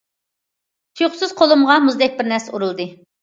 تۇيۇقسىز قولۇمغا مۇزدەك بىر نەرسە ئۇرۇلدى.